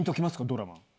ドラマ。